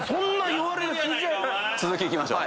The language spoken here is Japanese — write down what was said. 続きいきましょう。